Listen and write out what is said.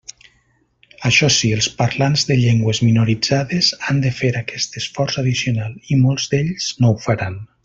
Això sí, els parlants de llengües minoritzades han de fer aquest esforç addicional, i molts d'ells no ho faran.